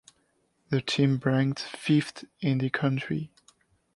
The team ranked fifth in the country.